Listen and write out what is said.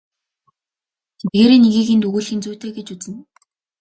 Тэдгээрийн нэгийг энд өгүүлэх нь зүйтэй гэж үзнэ.